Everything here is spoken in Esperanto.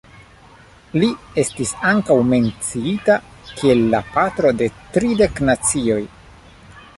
Li estis ankaŭ menciita kiel la patro de tridek nacioj.